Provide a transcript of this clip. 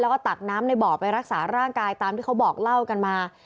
แล้วก็ตักน้ำในบ่อไปรักษาร่างกายตามที่เขาบอกเล่ากันมา